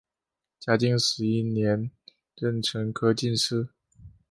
嘉靖十一年壬辰科进士。